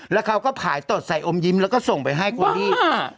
แล้วเขาก็ผ่ายตดใส่อมยิ้มแล้วก็ส่งไปให้คนที่